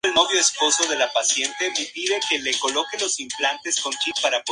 Le causaría brucelosis, anthrax, Viruela, tuberculosis y encefalitis equina.